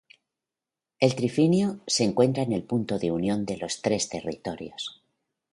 El trifinio se encuentra en el punto de unión de los tres territorios.